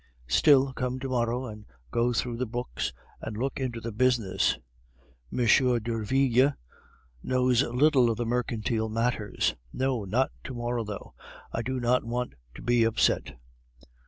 Still, come to morrow and go through the books, and look into the business. M. Derville knows little of mercantile matters. No, not to morrow though. I do not want to be upset.